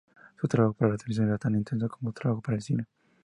Su trabajo para la televisión es tan extenso como su trabajo para el cine.